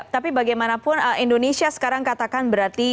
tapi bagaimanapun indonesia sekarang katakan berarti